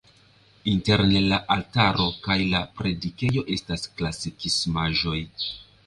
Interne la altaro kaj la predikejo estas klasikismaĵoj.